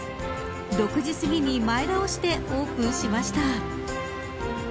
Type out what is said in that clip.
６時すぎに前倒してオープンしました。